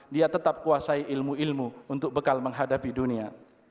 dia tetap kuasai ilmu ilmu untuk bekal menghadapi dunia